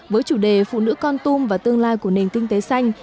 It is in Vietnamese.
với chủ đề phụ nữ con tum và tương lai của nền kinh tế xanh